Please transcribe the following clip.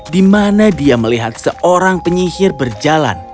di mana dia melihat seorang penyihir berjalan